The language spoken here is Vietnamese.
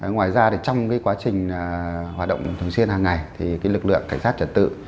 ngoài ra thì trong cái quá trình hoạt động thường xuyên hàng ngày thì cái lực lượng cảnh sát trật tự